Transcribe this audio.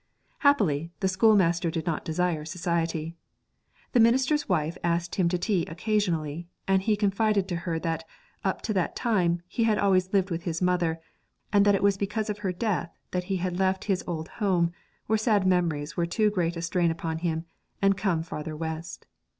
Happily, the schoolmaster did not desire society. The minister's wife asked him to tea occasionally; and he confided to her that, up to that time, he had always lived with his mother, and that it was because of her death that he had left his old home, where sad memories were too great a strain upon him, and come farther west.